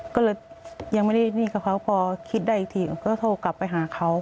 ก็เลยยังไม่ได้หนี้กับเขาพอคิดได้อีกทีก็โทรกลับไปหาเขา